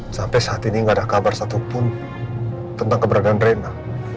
sampai saat ini nggak ada kabar satupun tentang keberadaan rena